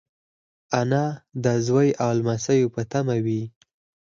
انا د زوی او لمسيو په تمه وي